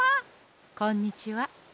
こんにちは。